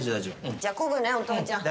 じゃあこぐねお父ちゃん。